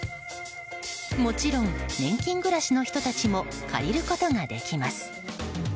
もちろん、年金暮らしの人たちも借りることができます。